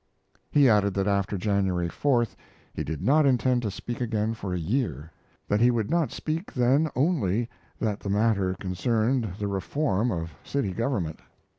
He added that after January 4th he did not intend to speak again for a year that he would not speak then only that the matter concerned the reform of city government.